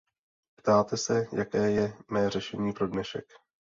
Ptáte se, jaké je mé řešení pro dnešek.